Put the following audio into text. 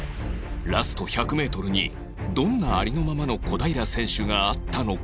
ラスト１００メートルにどんなありのままの小平選手があったのか？